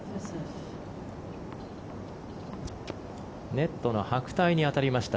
ネットの白帯に当たりました。